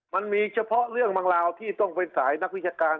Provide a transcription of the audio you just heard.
มันมีเฉพาะเรื่องบางราวที่ต้องเป็นสายนักวิชาการ